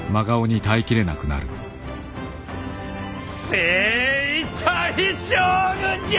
征夷大将軍じゃ！